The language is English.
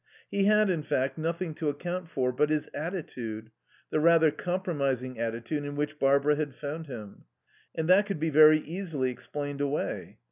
He had, in fact, nothing to account for but his attitude, the rather compromising attitude in which Barbara had found him. And that could be very easily explained away.